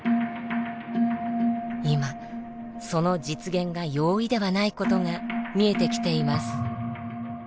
今その実現が容易ではないことが見えてきています。